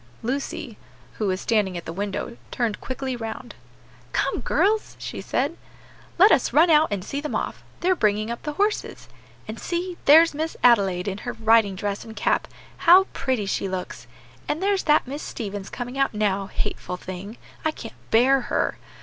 Lucy, who was standing at the window, turned quickly round. "Come, girls," she said, "let us run out and see them off; they're bringing up the horses. And see, there's Miss Adelaide in her riding dress and cap; how pretty she looks! And there's that Miss Stevens coming out now; hateful thing! I can't bear her!